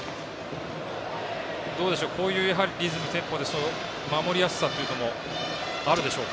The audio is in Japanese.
こういうリズム、テンポで守りやすさというのもあるでしょうか。